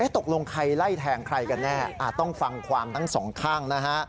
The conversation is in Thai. ตกลงใครไล่แทงใครกันแน่ต้องฟังความทั้งสองข้างนะฮะ